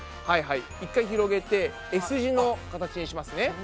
はいはい１回広げてＳ字の形にしますね。